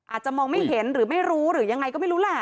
อาจจะมองไม่เห็นหรือไม่รู้หรือยังไงก็ไม่รู้แหละ